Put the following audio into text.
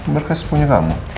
berkas punya kamu